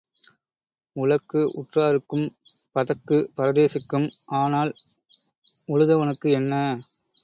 உழக்கு உற்றாருக்கும் பதக்குப் பரதேசிக்கும் ஆனால் உழுதவனுக்கு என்ன?